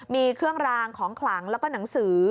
มีเครื่องรางของขลังแล้วก็หนังสือ